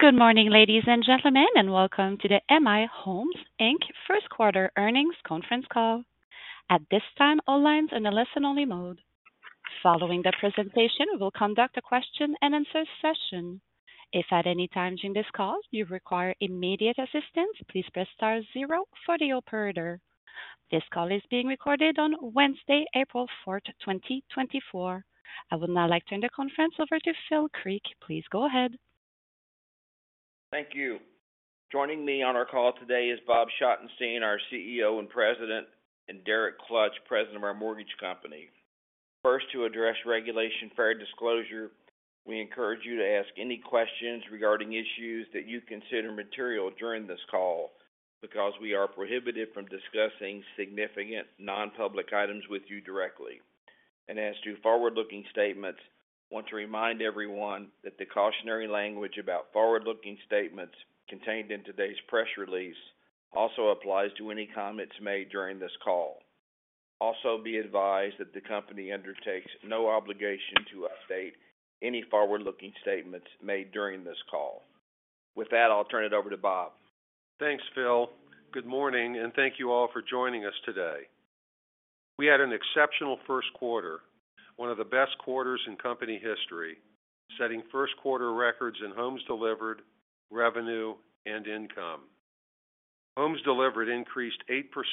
Good morning, ladies and gentlemen, and welcome to the M/I Homes, Inc. first quarter earnings conference call. At this time, all lines are in a listen-only mode. Following the presentation, we will conduct a question-and-answer session. If at any time during this call you require immediate assistance, please press star 0 for the operator. This call is being recorded on Wednesday, April 4, 2024. I would now like to turn the conference over to Phil Creek. Please go ahead. Thank you. Joining me on our call today is Bob Schottenstein, our CEO and president, and Derek Klutch, president of our mortgage company. First, to address Regulation Fair Disclosure, we encourage you to ask any questions regarding issues that you consider material during this call because we are prohibited from discussing significant non-public items with you directly. As to forward-looking statements, I want to remind everyone that the cautionary language about forward-looking statements contained in today's press release also applies to any comments made during this call. Also, be advised that the company undertakes no obligation to update any forward-looking statements made during this call. With that, I'll turn it over to Bob. Thanks, Phil. Good morning, and thank you all for joining us today. We had an exceptional first quarter, one of the best quarters in company history, setting first quarter records in homes delivered, revenue, and income. Homes delivered increased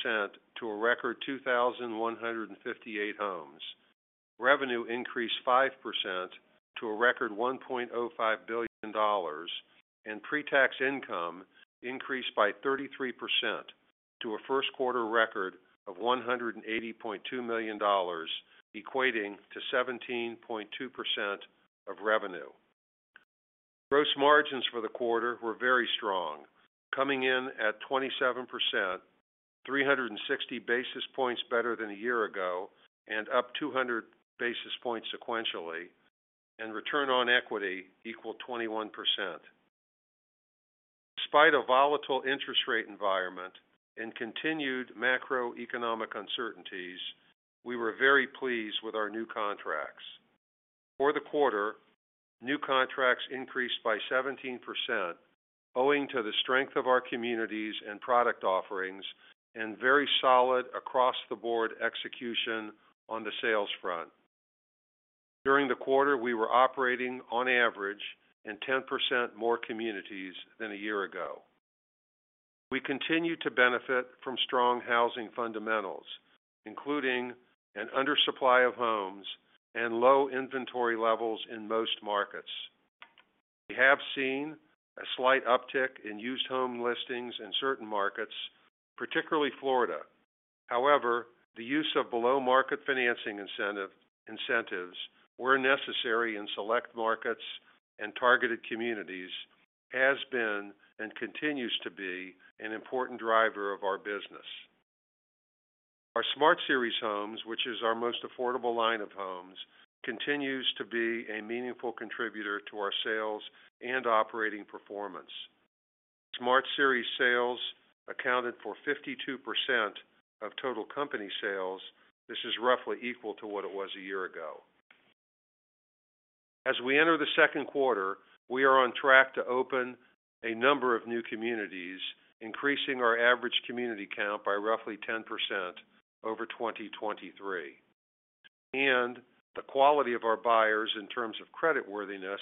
8% to a record 2,158 homes, revenue increased 5% to a record $1.05 billion, and pre-tax income increased by 33% to a first quarter record of $180.2 million, equating to 17.2% of revenue. Gross margins for the quarter were very strong, coming in at 27%, 360 basis points better than a year ago and up 200 basis points sequentially, and return on equity equaled 21%. Despite a volatile interest rate environment and continued macroeconomic uncertainties, we were very pleased with our new contracts. For the quarter, new contracts increased by 17% owing to the strength of our communities and product offerings, and very solid across-the-board execution on the sales front. During the quarter, we were operating, on average, in 10% more communities than a year ago. We continue to benefit from strong housing fundamentals, including an undersupply of homes and low inventory levels in most markets. We have seen a slight uptick in used home listings in certain markets, particularly Florida. However, the use of below-market financing incentives where necessary in select markets and targeted communities has been and continues to be an important driver of our business. Our Smart Series homes, which is our most affordable line of homes, continues to be a meaningful contributor to our sales and operating performance. Smart Series sales accounted for 52% of total company sales. This is roughly equal to what it was a year ago. As we enter the second quarter, we are on track to open a number of new communities, increasing our average community count by roughly 10% over 2023. The quality of our buyers in terms of creditworthiness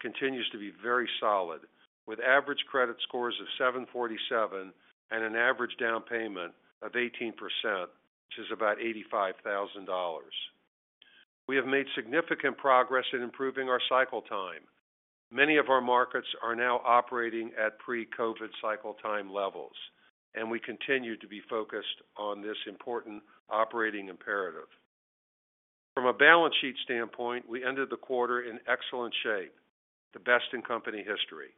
continues to be very solid, with average credit scores of 747 and an average down payment of 18%, which is about $85,000. We have made significant progress in improving our cycle time. Many of our markets are now operating at pre-COVID cycle time levels, and we continue to be focused on this important operating imperative. From a balance sheet standpoint, we ended the quarter in excellent shape, the best in company history.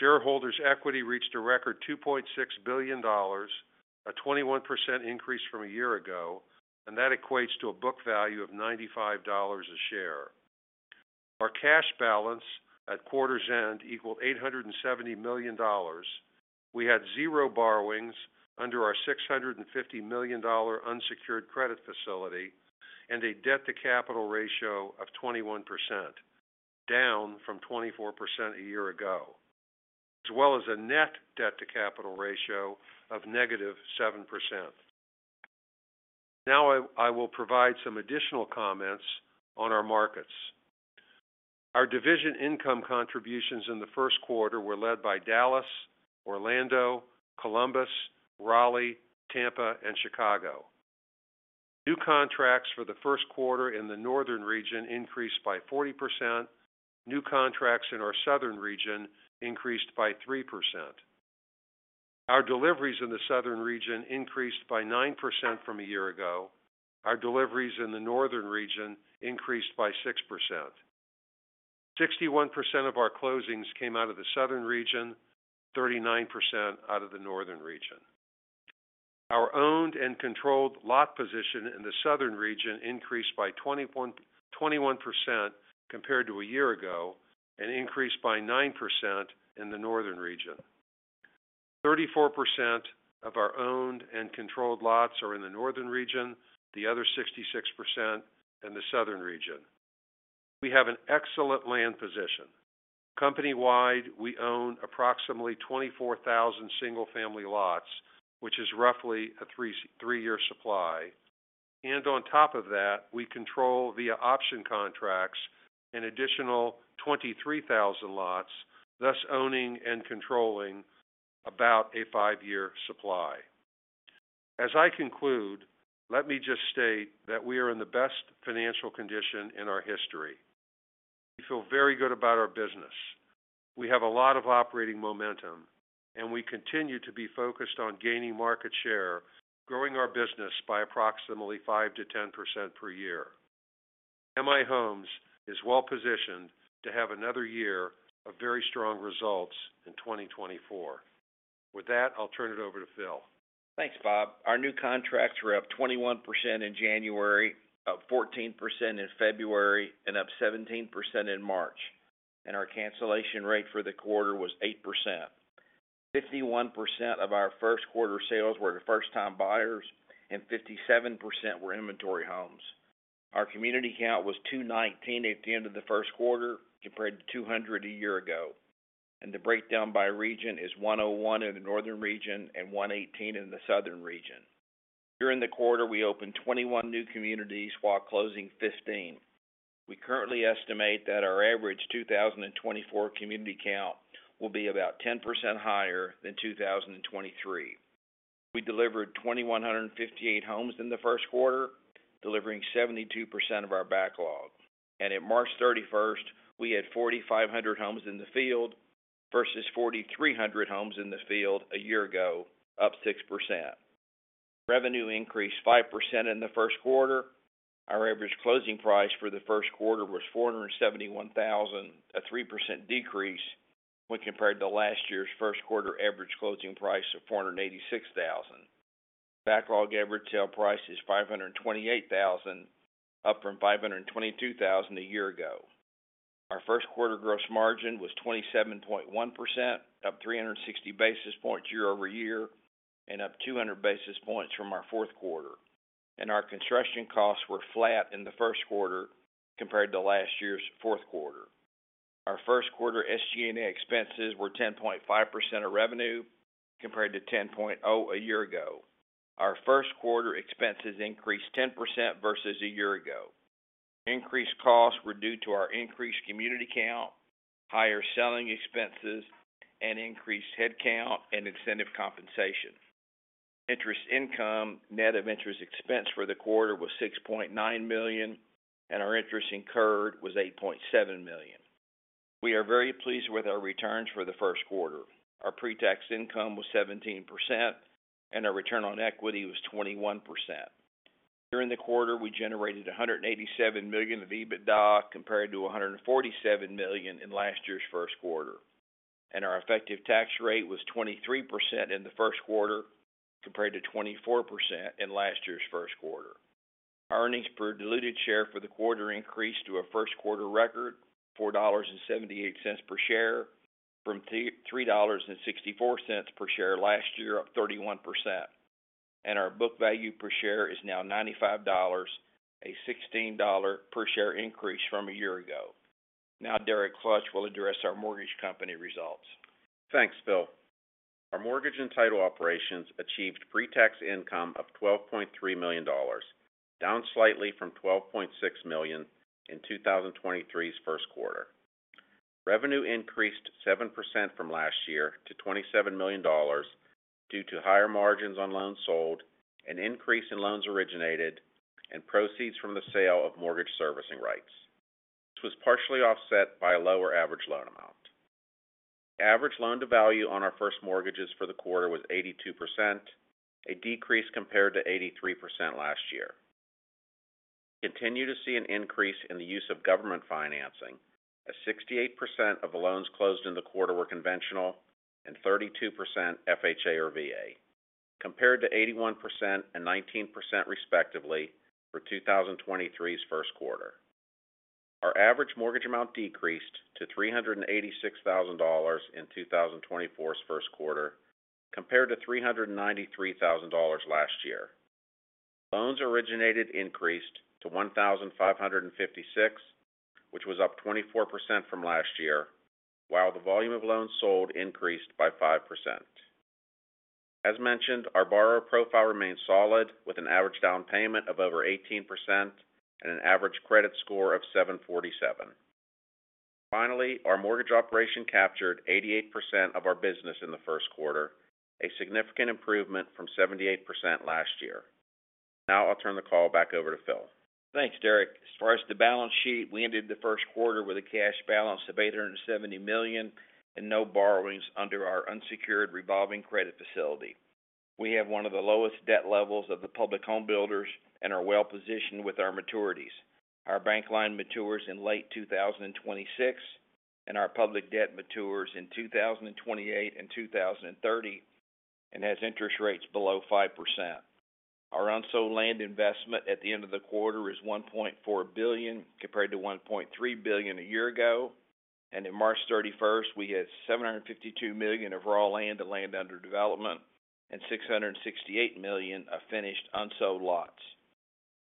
Shareholders' equity reached a record $2.6 billion, a 21% increase from a year ago, and that equates to a book value of $95 a share. Our cash balance at quarter's end equaled $870 million. We had zero borrowings under our $650 million unsecured credit facility and a debt-to-capital ratio of 21%, down from 24% a year ago, as well as a net debt-to-capital ratio of -7%. Now I will provide some additional comments on our markets. Our division income contributions in the first quarter were led by Dallas, Orlando, Columbus, Raleigh, Tampa, and Chicago. New contracts for the first quarter in the northern region increased by 40%. New contracts in our southern region increased by 3%. Our deliveries in the southern region increased by 9% from a year ago. Our deliveries in the northern region increased by 6%. 61% of our closings came out of the southern region, 39% out of the northern region. Our owned and controlled lot position in the southern region increased by 21% compared to a year ago and increased by 9% in the northern region. 34% of our owned and controlled lots are in the northern region, the other 66% in the southern region. We have an excellent land position. Company-wide, we own approximately 24,000 single-family lots, which is roughly a three-year supply. On top of that, we control via option contracts an additional 23,000 lots, thus owning and controlling about a five-year supply. As I conclude, let me just state that we are in the best financial condition in our history. We feel very good about our business. We have a lot of operating momentum, and we continue to be focused on gaining market share, growing our business by approximately 5%-10% per year. M/I Homes is well positioned to have another year of very strong results in 2024. With that, I'll turn it over to Phil. Thanks, Bob. Our new contracts were up 21% in January, up 14% in February, and up 17% in March. Our cancellation rate for the quarter was 8%. 51% of our first quarter sales were to first-time buyers, and 57% were inventory homes. Our community count was 219 at the end of the first quarter compared to 200 a year ago. The breakdown by region is 101 in the northern region and 118 in the southern region. During the quarter, we opened 21 new communities while closing 15. We currently estimate that our average 2024 community count will be about 10% higher than 2023. We delivered 2,158 homes in the first quarter, delivering 72% of our backlog. At March 31st, we had 4,500 homes in the field versus 4,300 homes in the field a year ago, up 6%. Revenue increased 5% in the first quarter. Our average closing price for the first quarter was $471,000, a 3% decrease when compared to last year's first quarter average closing price of $486,000. Backlog average sale price is $528,000, up from $522,000 a year ago. Our first quarter gross margin was 27.1%, up 360 basis points year-over-year and up 200 basis points from our fourth quarter. Our construction costs were flat in the first quarter compared to last year's fourth quarter. Our first quarter SG&A expenses were 10.5% of revenue compared to 10.0% a year ago. Our first quarter expenses increased 10% versus a year ago. Increased costs were due to our increased community count, higher selling expenses, and increased headcount and incentive compensation. Interest income, net of interest expense for the quarter was $6.9 million, and our interest incurred was $8.7 million. We are very pleased with our returns for the first quarter. Our pre-tax income was 17%, and our return on equity was 21%. During the quarter, we generated $187 million of EBITDA compared to $147 million in last year's first quarter. Our effective tax rate was 23% in the first quarter compared to 24% in last year's first quarter. Earnings per diluted share for the quarter increased to a first quarter record, $4.78 per share from $3.64 per share last year, up 31%. Our book value per share is now $95, a $16 per share increase from a year ago. Now Derek Klutch will address our mortgage company results. Thanks, Phil. Our mortgage and title operations achieved pre-tax income of $12.3 million, down slightly from $12.6 million in 2023's first quarter. Revenue increased 7% from last year to $27 million due to higher margins on loans sold, an increase in loans originated, and proceeds from the sale of mortgage servicing rights. This was partially offset by a lower average loan amount. Average loan-to-value on our first mortgages for the quarter was 82%, a decrease compared to 83% last year. We continue to see an increase in the use of government financing, as 68% of the loans closed in the quarter were conventional and 32% FHA or VA, compared to 81% and 19% respectively for 2023's first quarter. Our average mortgage amount decreased to $386,000 in 2024's first quarter compared to $393,000 last year. Loans originated increased to 1,556, which was up 24% from last year, while the volume of loans sold increased by 5%. As mentioned, our borrower profile remained solid, with an average down payment of over 18% and an average credit score of 747. Finally, our mortgage operation captured 88% of our business in the first quarter, a significant improvement from 78% last year. Now I'll turn the call back over to Phil. Thanks, Derek. As far as the balance sheet, we ended the first quarter with a cash balance of $870 million and no borrowings under our unsecured revolving credit facility. We have one of the lowest debt levels of the public home builders and are well positioned with our maturities. Our bank line matures in late 2026, and our public debt matures in 2028 and 2030 and has interest rates below 5%. Our unsold land investment at the end of the quarter is $1.4 billion compared to $1.3 billion a year ago. At March 31st, we had $752 million of raw land to land under development and $668 million of finished unsold lots.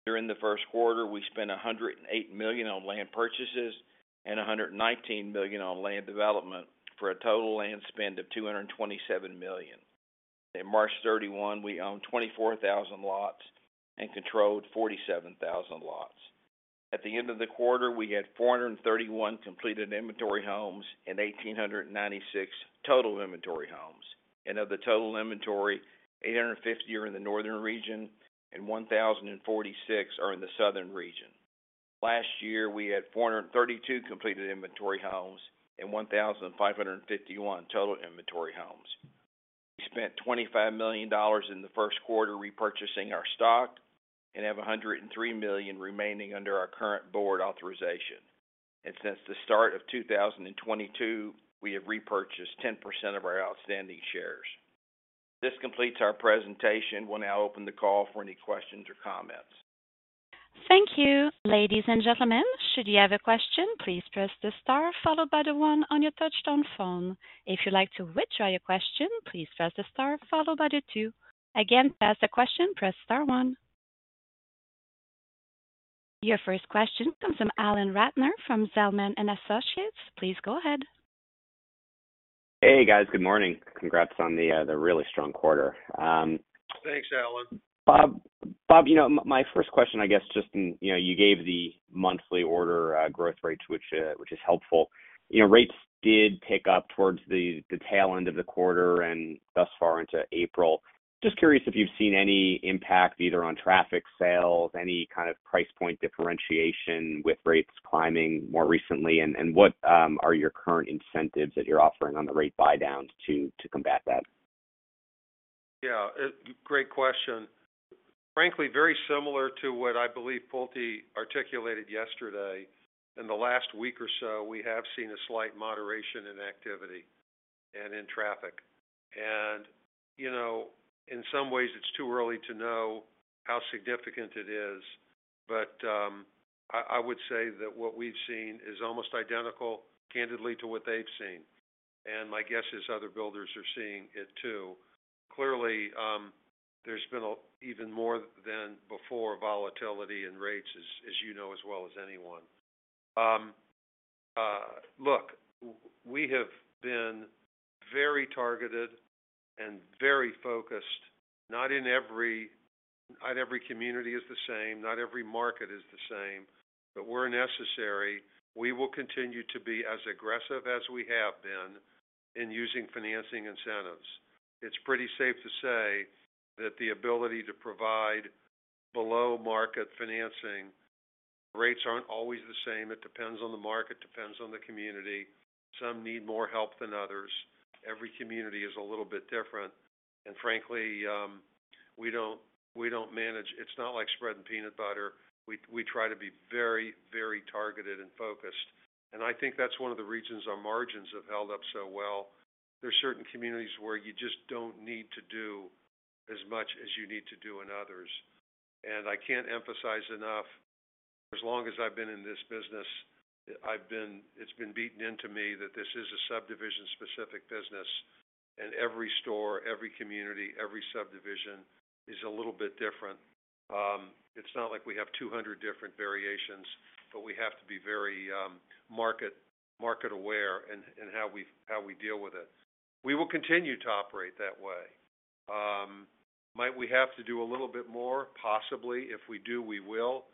During the first quarter, we spent $108 million on land purchases and $119 million on land development for a total land spend of $227 million. At March 31, we owned 24,000 lots and controlled 47,000 lots. At the end of the quarter, we had 431 completed inventory homes and 1,896 total inventory homes. Of the total inventory, 850 are in the northern region and 1,046 are in the southern region. Last year, we had 432 completed inventory homes and 1,551 total inventory homes. We spent $25 million in the first quarter repurchasing our stock and have $103 million remaining under our current board authorization. Since the start of 2022, we have repurchased 10% of our outstanding shares. This completes our presentation. We'll now open the call for any questions or comments. Thank you, ladies and gentlemen. Should you have a question, please press the star followed by the one on your touch-tone phone. If you'd like to withdraw your question, please press the star followed by the two. Again, to ask a question, press star one. Your first question comes from Alan Ratner from Zelman & Associates. Please go ahead. Hey, guys. Good morning. Congrats on the really strong quarter. Thanks, Alan. Bob, my first question, I guess, just you gave the monthly order growth rates, which is helpful. Rates did pick up towards the tail end of the quarter and thus far into April. Just curious if you've seen any impact either on traffic sales, any kind of price point differentiation with rates climbing more recently, and what are your current incentives that you're offering on the rate buy-downs to combat that? Yeah, great question. Frankly, very similar to what I believe Pulte articulated yesterday. In the last week or so, we have seen a slight moderation in activity and in traffic. And in some ways, it's too early to know how significant it is. But I would say that what we've seen is almost identical, candidly, to what they've seen. And my guess is other builders are seeing it too. Clearly, there's been even more than before volatility in rates, as you know as well as anyone. Look, we have been very targeted and very focused. Not every community is the same. Not every market is the same. But we're necessary. We will continue to be as aggressive as we have been in using financing incentives. It's pretty safe to say that the ability to provide below-market financing rates aren't always the same. It depends on the market. It depends on the community. Some need more help than others. Every community is a little bit different. And frankly, we don't manage it. It's not like spreading peanut butter. We try to be very, very targeted and focused. And I think that's one of the reasons our margins have held up so well. There's certain communities where you just don't need to do as much as you need to do in others. And I can't emphasize enough, for as long as I've been in this business, it's been beaten into me that this is a subdivision-specific business. And every store, every community, every subdivision is a little bit different. It's not like we have 200 different variations, but we have to be very market-aware in how we deal with it. We will continue to operate that way. Might we have to do a little bit more? Possibly. If we do, we will.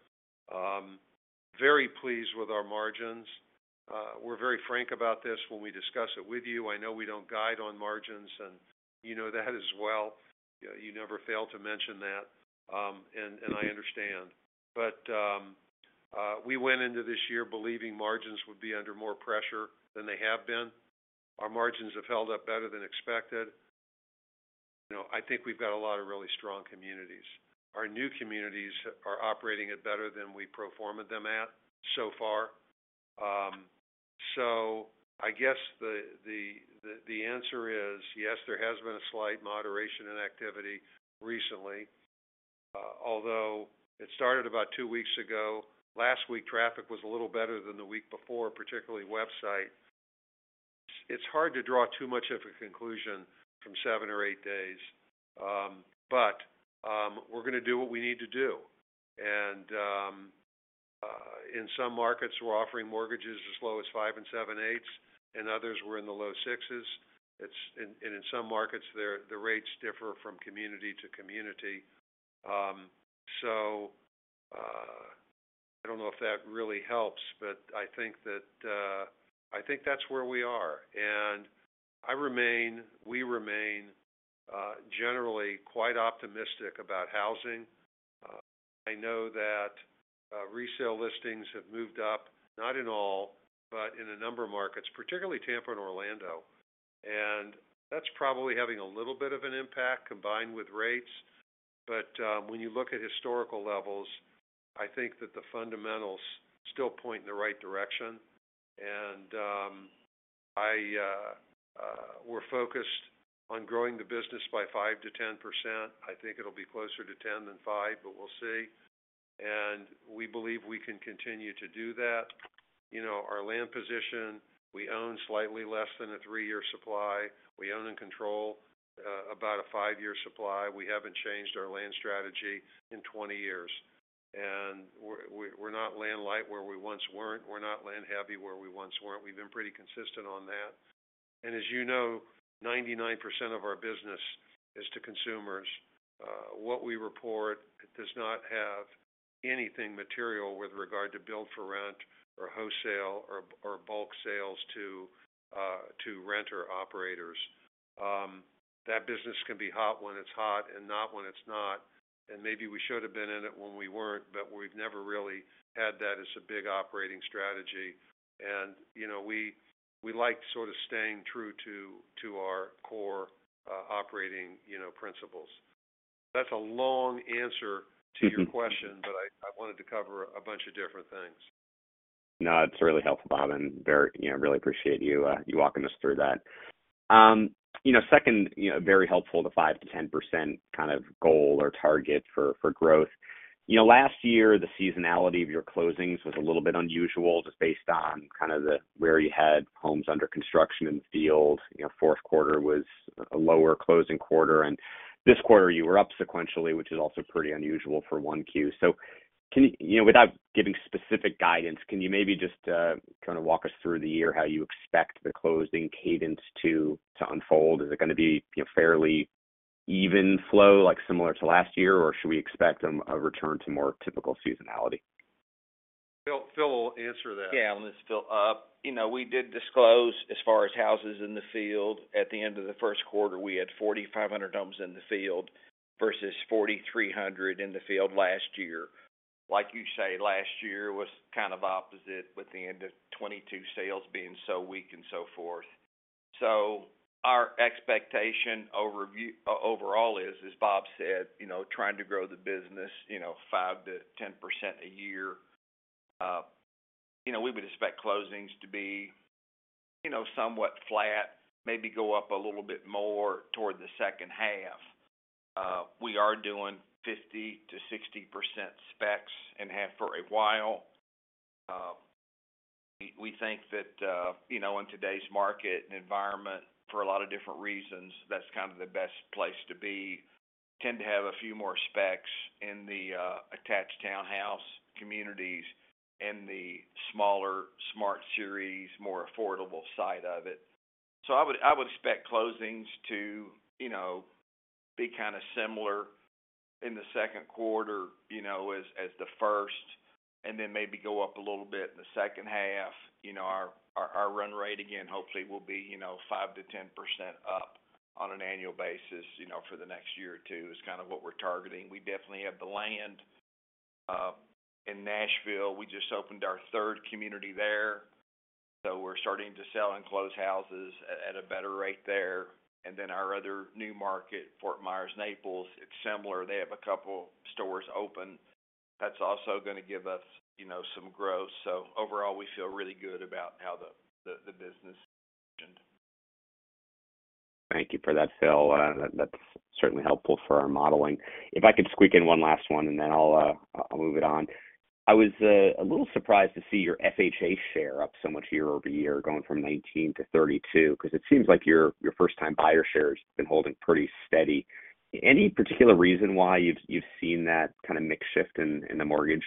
Very pleased with our margins. We're very frank about this when we discuss it with you. I know we don't guide on margins, and that as well. You never fail to mention that, and I understand. But we went into this year believing margins would be under more pressure than they have been. Our margins have held up better than expected. I think we've got a lot of really strong communities. Our new communities are operating at better than we performed them at so far. So I guess the answer is, yes, there has been a slight moderation in activity recently, although it started about two weeks ago. Last week, traffic was a little better than the week before, particularly website. It's hard to draw too much of a conclusion from seven or eight days. But we're going to do what we need to do. In some markets, we're offering mortgages as low as five and seven, eights and others were in the low six. In some markets, the rates differ from community to community. So I don't know if that really helps, but I think that's where we are. We remain generally quite optimistic about housing. I know that resale listings have moved up, not in all, but in a number of markets, particularly Tampa and Orlando. That's probably having a little bit of an impact combined with rates. But when you look at historical levels, I think that the fundamentals still point in the right direction. We're focused on growing the business by 5%-10%. I think it'll be closer to 10 than five, but we'll see. We believe we can continue to do that. Our land position, we own slightly less than a three-year supply. We own and control about a five-year supply. We haven't changed our land strategy in 20 years. We're not land light where we once weren't. We're not land heavy where we once weren't. We've been pretty consistent on that. As you know, 99% of our business is to consumers. What we report does not have anything material with regard to build-for-rent or wholesale or bulk sales to renter operators. That business can be hot when it's hot and not when it's not. Maybe we should have been in it when we weren't, but we've never really had that as a big operating strategy. We like sort of staying true to our core operating principles. That's a long answer to your question, but I wanted to cover a bunch of different things. No, it's really helpful, Bob. I really appreciate you walking us through that. Second, very helpful, the 5%-10% kind of goal or target for growth. Last year, the seasonality of your closings was a little bit unusual just based on kind of where you had homes under construction in the field. Fourth quarter was a lower closing quarter. And this quarter, you were up sequentially, which is also pretty unusual for one Q. So without giving specific guidance, can you maybe just kind of walk us through the year, how you expect the closing cadence to unfold? Is it going to be a fairly even flow, similar to last year, or should we expect a return to more typical seasonality? Phil will answer that. Yeah, let me just fill up. We did disclose, as far as houses in the field, at the end of the first quarter, we had 4,500 homes in the field versus 4,300 in the field last year. Like you say, last year was kind of opposite, with the end of 2022 sales being so weak and so forth. So our expectation overall is, as Bob said, trying to grow the business 5%-10% a year. We would expect closings to be somewhat flat, maybe go up a little bit more toward the second half. We are doing 50%-60% specs and have for a while. We think that in today's market and environment, for a lot of different reasons, that's kind of the best place to be. It tends to have a few more specs in the attached townhouse communities and the smaller Smart Series, more affordable side of it. So I would expect closings to be kind of similar in the second quarter as the first and then maybe go up a little bit in the second half. Our run rate, again, hopefully, will be 5%-10% up on an annual basis for the next year or two is kind of what we're targeting. We definitely have the land in Nashville. We just opened our third community there. So we're starting to sell and close houses at a better rate there. And then our other new market, Fort Myers, Naples, it's similar. They have a couple of stores open. That's also going to give us some growth. So overall, we feel really good about how the business functioned. Thank you for that, Phil. That's certainly helpful for our modeling. If I could squeak in one last one, and then I'll move it on. I was a little surprised to see your FHA share up so much year-over-year, going from 19%-32%, because it seems like your first-time buyer share has been holding pretty steady. Any particular reason why you've seen that kind of mix shift in the mortgage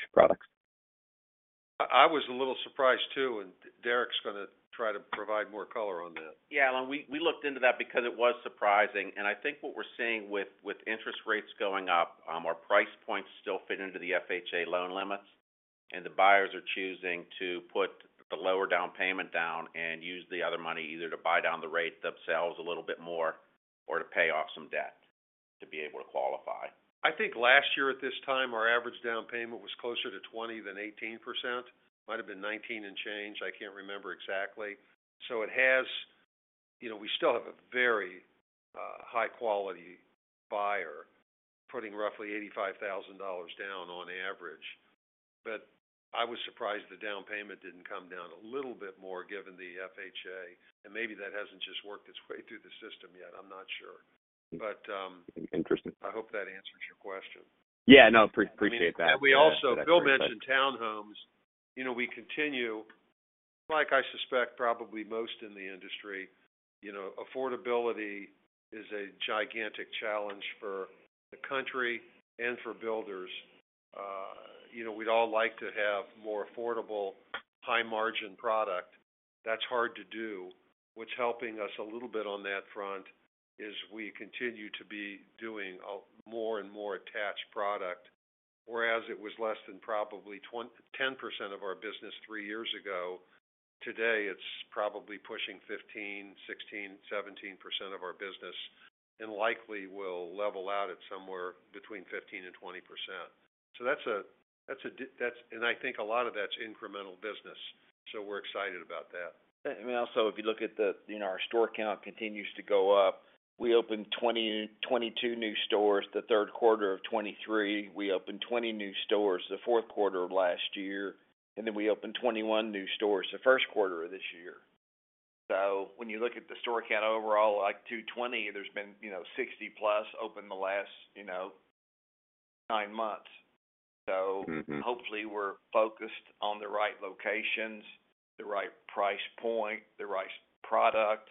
products? I was a little surprised too. And Derek's going to try to provide more color on that. Yeah, Alan, we looked into that because it was surprising. I think what we're seeing with interest rates going up, our price points still fit into the FHA loan limits. The buyers are choosing to put the lower down payment down and use the other money either to buy down the rate themselves a little bit more or to pay off some debt to be able to qualify. I think last year at this time, our average down payment was closer to 20% than 18%. Might have been 19% and change. I can't remember exactly. So we still have a very high-quality buyer putting roughly $85,000 down on average. But I was surprised the down payment didn't come down a little bit more given the FHA. And maybe that hasn't just worked its way through the system yet. I'm not sure. But I hope that answers your question. Yeah, no, appreciate that. And we also Phil mentioned townhomes. We continue, like I suspect probably most in the industry, affordability is a gigantic challenge for the country and for builders. We'd all like to have more affordable, high-margin product. That's hard to do. What's helping us a little bit on that front is we continue to be doing more and more attached product. Whereas it was less than probably 10% of our business three years ago, today, it's probably pushing 15, 16, 17% of our business and likely will level out at somewhere between 15%-20%. So that's a and I think a lot of that's incremental business. So we're excited about that. I mean, also, if you look at our store count continues to go up, we opened 22 new stores the third quarter of 2023. We opened 20 new stores the fourth quarter of last year. And then we opened 21 new stores the first quarter of this year. So when you look at the store count overall, like 220, there's been 60+ open the last nine months. So hopefully, we're focused on the right locations, the right price point, the right product.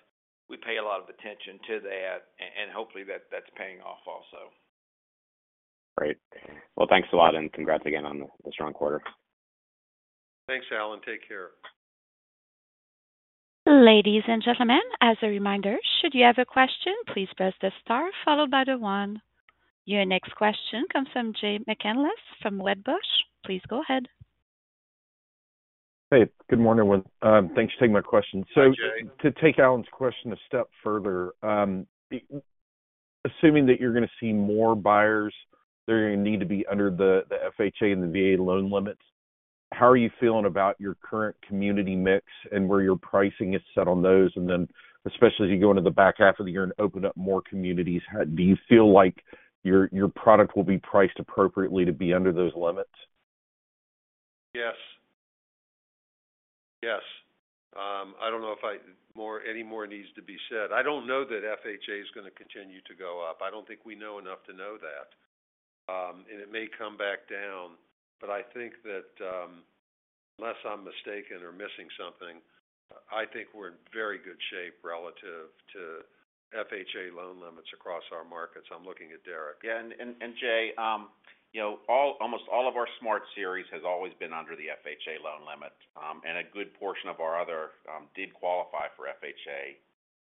We pay a lot of attention to that. And hopefully, that's paying off also. Great. Well, thanks a lot, and congrats again on the strong quarter. Thanks, Alan. Take care. Ladies and gentlemen, as a reminder, should you have a question, please press the star followed by the one. Your next question comes from Jay McCanless from Wedbush. Please go ahead. Hey, good morning. Thanks for taking my question. So to take Alan's question a step further, assuming that you're going to see more buyers, they're going to need to be under the FHA and the VA loan limits. How are you feeling about your current community mix and where your pricing is set on those? And then especially as you go into the back half of the year and open up more communities, do you feel like your product will be priced appropriately to be under those limits? Yes. Yes. I don't know if any more needs to be said. I don't know that FHA is going to continue to go up. I don't think we know enough to know that. And it may come back down. But I think that unless I'm mistaken or missing something, I think we're in very good shape relative to FHA loan limits across our markets. I'm looking at Derek. Yeah. Jay, almost all of our Smart Series has always been under the FHA loan limit. A good portion of our other did qualify for FHA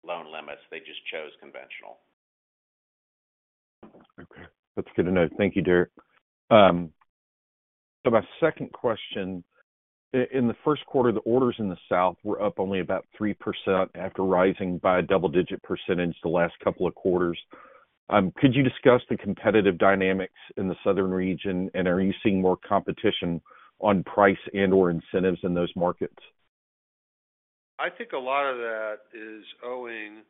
loan limits. They just chose conventional. Okay. That's good to know. Thank you, Derek. My second question, in the first quarter, the orders in the south were up only about 3% after rising by a double-digit percentage the last couple of quarters. Could you discuss the competitive dynamics in the southern region? And are you seeing more competition on price and/or incentives in those markets? I think a lot of that is owing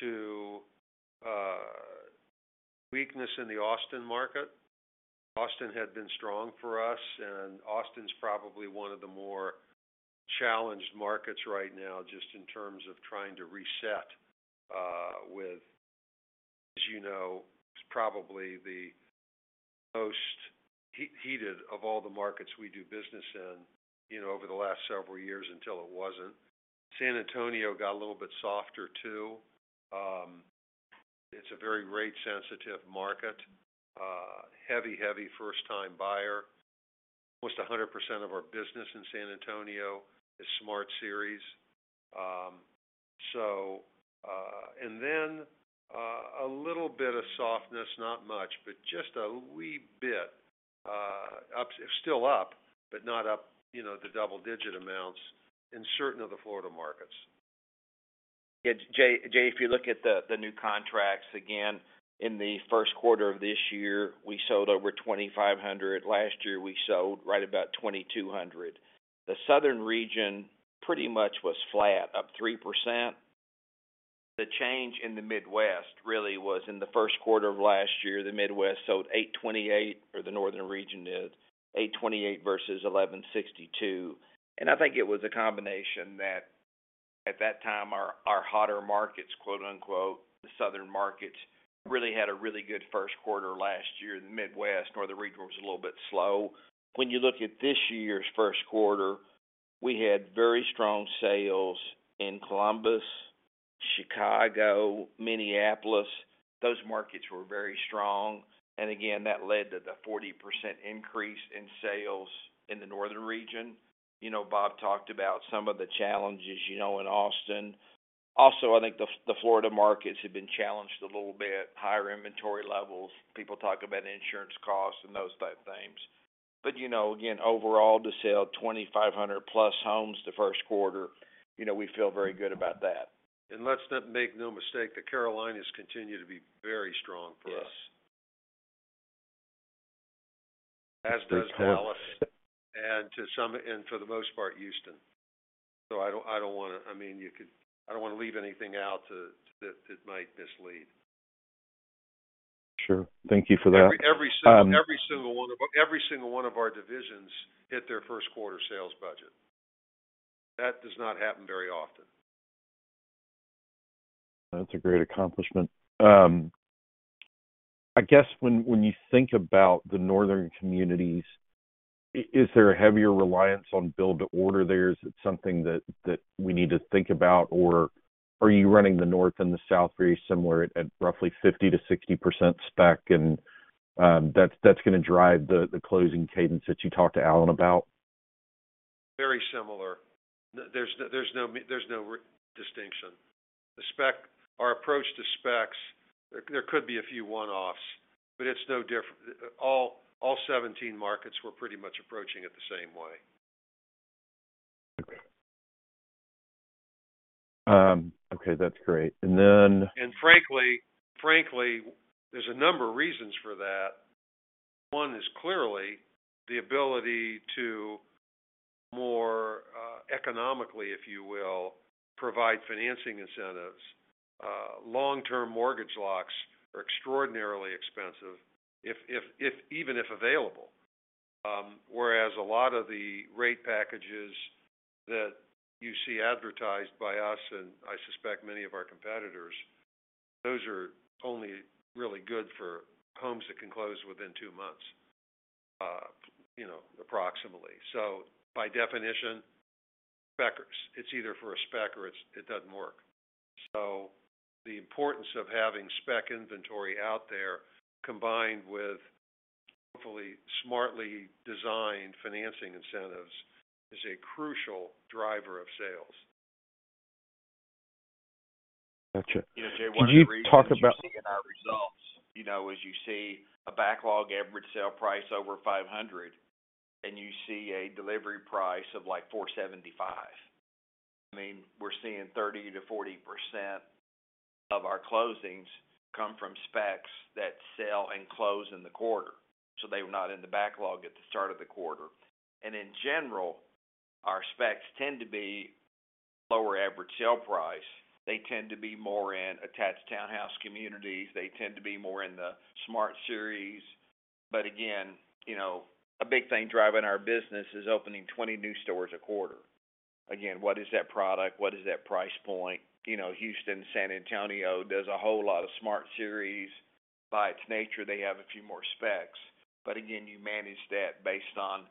to weakness in the Austin market. Austin had been strong for us. Austin's probably one of the more challenged markets right now just in terms of trying to reset with, as you know, it's probably the most heated of all the markets we do business in over the last several years until it wasn't. San Antonio got a little bit softer too. It's a very rate-sensitive market, heavy, heavy first-time buyer. Almost 100% of our business in San Antonio is Smart Series. And then a little bit of softness, not much, but just a wee bit, still up, but not up the double-digit amounts in certain of the Florida markets. Jay, if you look at the new contracts, again, in the first quarter of this year, we sold over 2,500. Last year, we sold right about 2,200. The southern region pretty much was flat, up 3%. The change in the Midwest really was in the first quarter of last year. The Midwest sold 828, or the northern region did, 828 versus 1,162. And I think it was a combination that at that time, our "hotter markets," the southern markets, really had a really good first quarter last year. The Midwest, northern region, was a little bit slow. When you look at this year's first quarter, we had very strong sales in Columbus, Chicago, Minneapolis. Those markets were very strong. And again, that led to the 40% increase in sales in the northern region. Bob talked about some of the challenges in Austin. Also, I think the Florida markets have been challenged a little bit, higher inventory levels. People talk about insurance costs and those type things. But again, overall, to sell 2,500+ homes the first quarter, we feel very good about that. Let's not make no mistake, the Carolinas continue to be very strong for us, as does Dallas and for the most part, Houston. So I mean, I don't want to leave anything out that might mislead. Sure. Thank you for that. Every single one of our divisions hit their first-quarter sales budget. That does not happen very often. That's a great accomplishment. I guess when you think about the northern communities, is there a heavier reliance on build-to-order there? Is it something that we need to think about? Or are you running the north and the south very similar at roughly 50%-60% spec? And that's going to drive the closing cadence that you talked to Alan about? Very similar. There's no distinction. Our approach to specs, there could be a few one-offs, but it's no different. All 17 markets were pretty much approaching it the same way. Okay. Okay. That's great. And then - Frankly, there's a number of reasons for that. One is clearly the ability to, more economically, if you will, provide financing incentives. Long-term mortgage locks are extraordinarily expensive, even if available. Whereas a lot of the rate packages that you see advertised by us, and I suspect many of our competitors, those are only really good for homes that can close within two months, approximately. So by definition, it's either for a spec or it doesn't work. So the importance of having spec inventory out there combined with, hopefully, smartly designed financing incentives is a crucial driver of sales. Gotcha. Jay, one of the reasons we see in our results, as you see a backlog average sale price over $500 and you see a delivery price of like $475, I mean, we're seeing 30%-40% of our closings come from specs that sell and close in the quarter. So they're not in the backlog at the start of the quarter. And in general, our specs tend to be lower average sale price. They tend to be more in attached townhouse communities. They tend to be more in the Smart Series. But again, a big thing driving our business is opening 20 new stores a quarter. Again, what is that product? What is that price point? Houston, San Antonio does a whole lot of Smart Series. By its nature, they have a few more specs. But again, you manage that based on,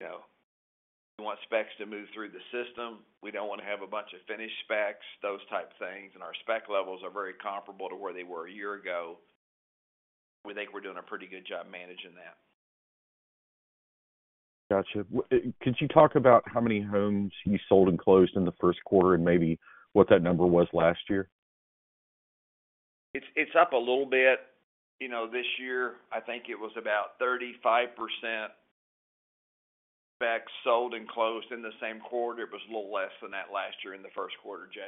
we want specs to move through the system. We don't want to have a bunch of finished specs, those type things. Our spec levels are very comparable to where they were a year ago. We think we're doing a pretty good job managing that. Gotcha. Could you talk about how many homes you sold and closed in the first quarter and maybe what that number was last year? It's up a little bit. This year, I think it was about 35% specs sold and closed in the same quarter. It was a little less than that last year in the first quarter, Jay.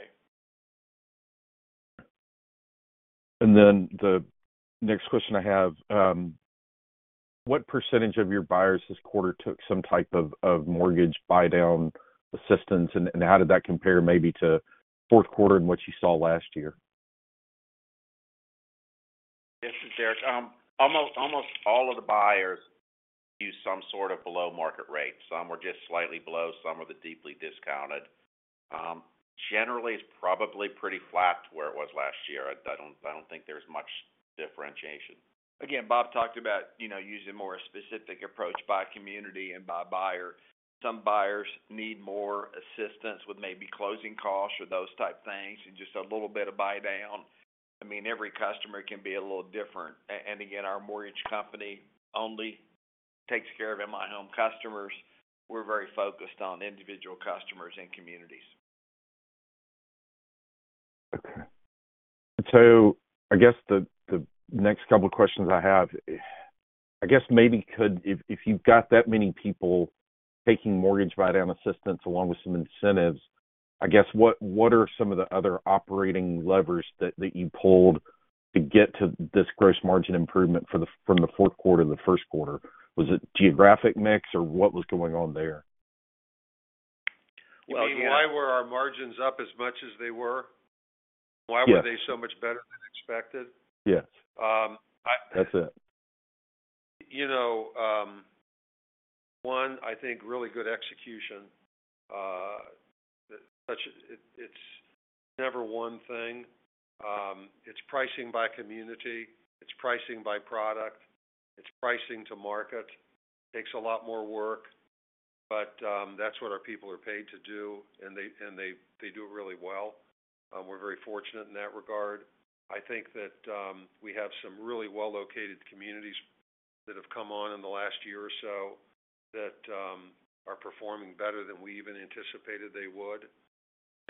Okay. And then the next question I have, what percentage of your buyers this quarter took some type of mortgage buy-down assistance? And how did that compare maybe to fourth quarter and what you saw last year? This is Derek. Almost all of the buyers use some sort of below-market rate. Some are just slightly below. Some are the deeply discounted. Generally, it's probably pretty flat to where it was last year. I don't think there's much differentiation. Again, Bob talked about using a more specific approach by community and by buyer. Some buyers need more assistance with maybe closing costs or those type things and just a little bit of buy-down. I mean, every customer can be a little different. And again, our mortgage company only takes care of M/I Homes customers. We're very focused on individual customers and communities. Okay. And so I guess the next couple of questions I have, I guess maybe if you've got that many people taking mortgage buy-down assistance along with some incentives, I guess what are some of the other operating levers that you pulled to get to this gross margin improvement from the fourth quarter to the first quarter? Was it geographic mix, or what was going on there? Well, Jay, why were our margins up as much as they were? Why were they so much better than expected? Yes. That's it. One, I think really good execution. It's never one thing. It's pricing by community. It's pricing by product. It's pricing to market. It takes a lot more work. But that's what our people are paid to do. And they do it really well. We're very fortunate in that regard. I think that we have some really well-located communities that have come on in the last year or so that are performing better than we even anticipated they would.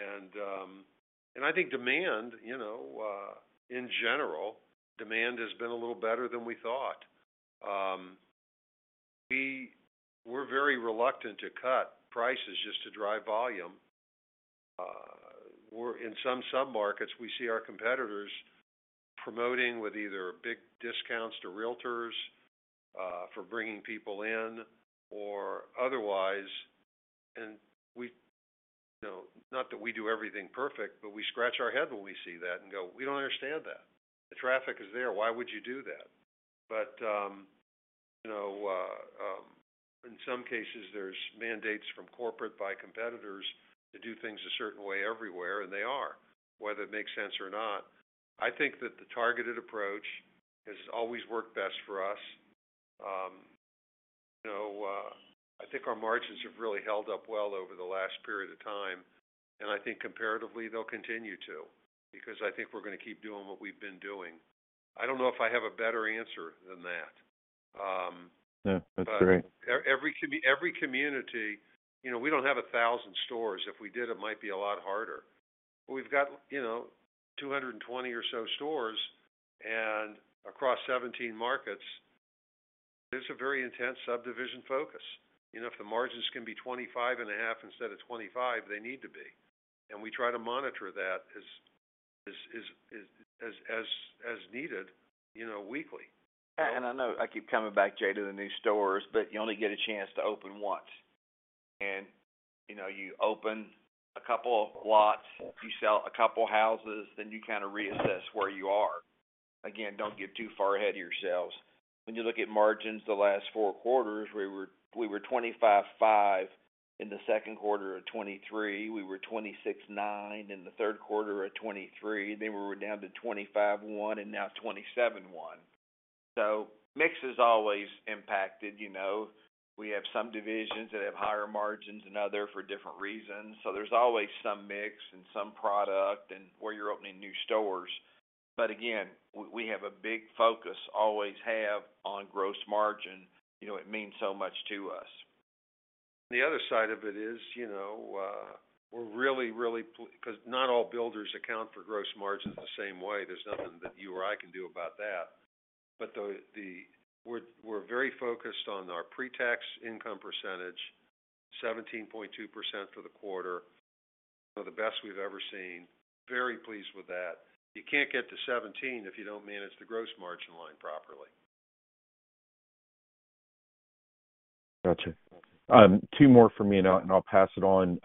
And I think demand, in general, demand has been a little better than we thought. We're very reluctant to cut prices just to drive volume. In some submarkets, we see our competitors promoting with either big discounts to realtors for bringing people in or otherwise. And not that we do everything perfect, but we scratch our head when we see that and go, "We don't understand that. The traffic is there. Why would you do that?" But in some cases, there's mandates from corporate by competitors to do things a certain way everywhere. And they are, whether it makes sense or not. I think that the targeted approach has always worked best for us. I think our margins have really held up well over the last period of time. And I think comparatively, they'll continue to because I think we're going to keep doing what we've been doing. I don't know if I have a better answer than that. Yeah. That's great. But every community, we don't have 1,000 stores. If we did, it might be a lot harder. But we've got 220 or so stores. And across 17 markets, there's a very intense subdivision focus. If the margins can be 25.5 instead of 25, they need to be. And we try to monitor that as needed weekly. Yeah. And I know I keep coming back, Jay, to the new stores, but you only get a chance to open once. And you open a couple of lots. You sell a couple of houses. Then you kind of reassess where you are. Again, don't get too far ahead of yourselves. When you look at margins the last four quarters, we were 25.5% in the second quarter of 2023. We were 26.9% in the third quarter of 2023. Then we were down to 25.1% and now 27.1%. So mix is always impacted. We have some divisions that have higher margins than other for different reasons. So there's always some mix in some product and where you're opening new stores. But again, we have a big focus, always have, on gross margin. It means so much to us. The other side of it is we're really, really because not all builders account for gross margins the same way. There's nothing that you or I can do about that. But we're very focused on our pre-tax income percentage, 17.2% for the quarter, one of the best we've ever seen. Very pleased with that. You can't get to 17% if you don't manage the gross margin line properly. Gotcha. Two more for me, and I'll pass it on.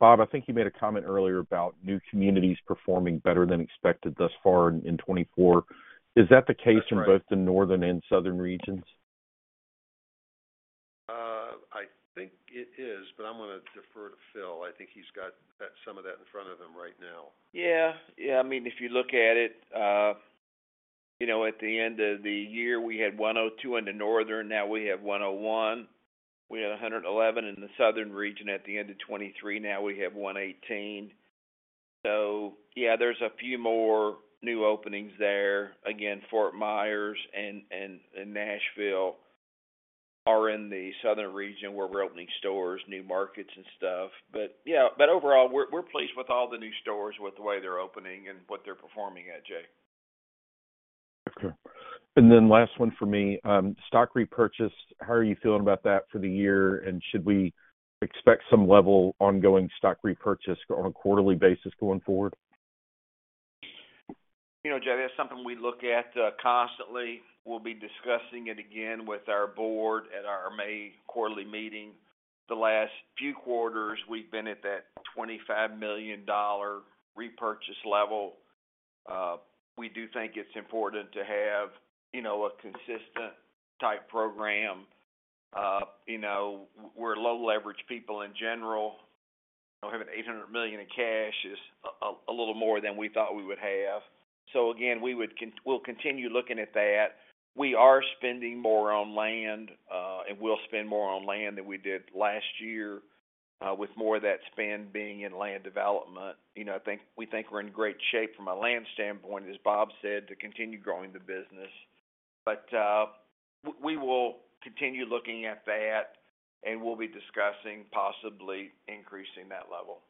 Bob, I think you made a comment earlier about new communities performing better than expected thus far in 2024. Is that the case in both the northern and southern regions? I think it is, but I'm going to defer to Phil. I think he's got some of that in front of him right now. Yeah. Yeah. I mean, if you look at it, at the end of the year, we had 102 in the northern. Now we have 101. We had 111 in the southern region. At the end of 2023, now we have 118. So yeah, there's a few more new openings there. Again, Fort Myers and Nashville are in the southern region where we're opening stores, new markets, and stuff. But overall, we're pleased with all the new stores, with the way they're opening and what they're performing at, Jay. Okay. And then last one for me, stock repurchase. How are you feeling about that for the year? And should we expect some level ongoing stock repurchase on a quarterly basis going forward? Jay, that's something we look at constantly. We'll be discussing it again with our board at our May quarterly meeting. The last few quarters, we've been at that $25 million repurchase level. We do think it's important to have a consistent type program. We're low-leverage people in general. Having $800 million in cash is a little more than we thought we would have. So again, we'll continue looking at that. We are spending more on land. We'll spend more on land than we did last year with more of that spend being in land development. I think we think we're in great shape from a land standpoint, as Bob said, to continue growing the business. But we will continue looking at that. We'll be discussing possibly increasing that level.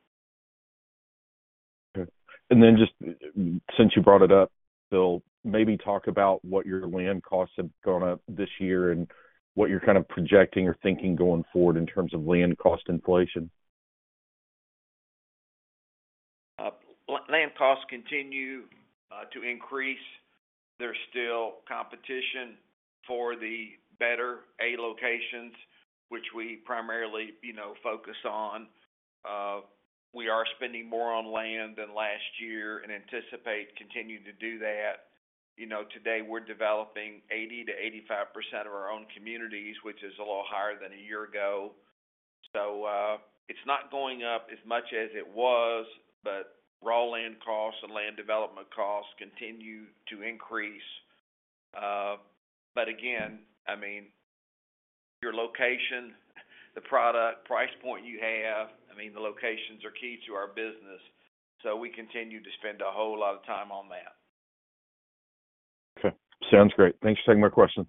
Okay. Just since you brought it up, Phil, maybe talk about what your land costs have gone up this year and what you're kind of projecting or thinking going forward in terms of land cost inflation. Land costs continue to increase. There's still competition for the better A-locations, which we primarily focus on. We are spending more on land than last year and anticipate continuing to do that. Today, we're developing 80%-85% of our own communities, which is a little higher than a year ago. So it's not going up as much as it was, but raw land costs and land development costs continue to increase. But again, I mean, your location, the product, price point you have, I mean, the locations are key to our business. So we continue to spend a whole lot of time on that. Okay. Sounds great. Thanks for taking my questions.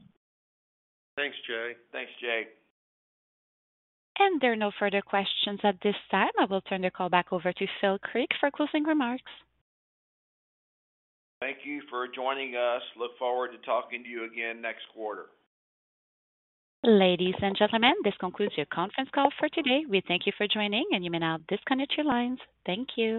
Thanks, Jay. Thanks Jay. There are no further questions at this time. I will turn the call back over to Phil Creek for closing remarks. Thank you for joining us. Look forward to talking to you again next quarter. Ladies and gentlemen, this concludes your conference call for today. We thank you for joining, and you may now disconnect your lines. Thank you.